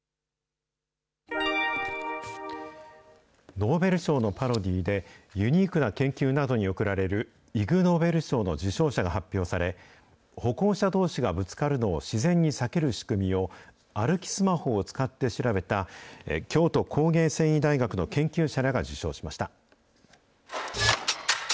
ノーベル賞のパロディーで、ユニークな研究などに贈られる、イグ・ノーベル賞の受賞者が発表され、歩行者どうしがぶつかるのを自然に避ける仕組みを、歩きスマホを使って調べた、京都工芸繊維大学の研究者らが受賞しました。